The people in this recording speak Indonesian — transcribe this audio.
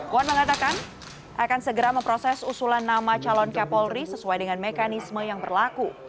puan mengatakan akan segera memproses usulan nama calon kapolri sesuai dengan mekanisme yang berlaku